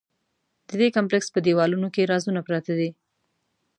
د دې کمپلېکس په دیوالونو کې رازونه پراته دي.